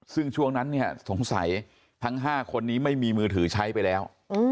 ซึ่งช่วงนั้นเนี่ยสงสัยทั้ง๕คนนี้ไม่มีมือถือใช้ไปแล้ว